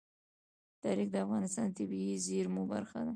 تاریخ د افغانستان د طبیعي زیرمو برخه ده.